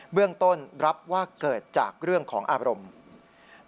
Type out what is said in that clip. เรื่องต้นรับว่าเกิดจากเรื่องของอารมณ์